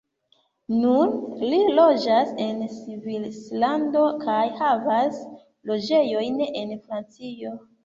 Nun li loĝas en Svislando kaj havas loĝejojn en Francio.